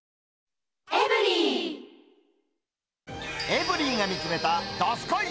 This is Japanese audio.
エブリィが見つめた、どすこい！